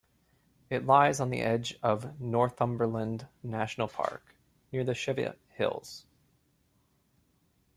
It lies on the edge of the Northumberland National Park, near the Cheviot Hills.